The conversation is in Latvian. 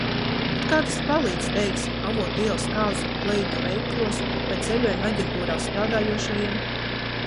Bet kā tas palīdz, teiksim, Avotu ielas kāzu kleitu veikalos vai ceļojumu aģentūrās strādājošajiem?